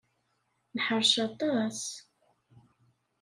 Neḥṛec aṭas.